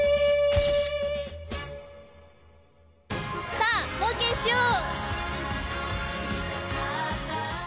さあ冒険しよう。